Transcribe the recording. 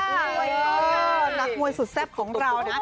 เป็นนักมวยสุดแซ่บของเรา